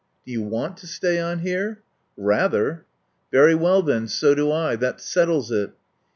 "Do you want to stay on here?" "Rather." "Very well then, so do I. That settles it."